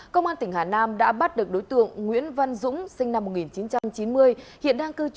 công an tỉnh hà nam đã bắt được đối tượng nguyễn văn dũng sinh năm một nghìn chín trăm chín mươi